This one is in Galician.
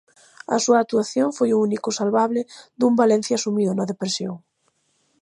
A súa actuación foi o único salvable dun Valencia sumido na depresión.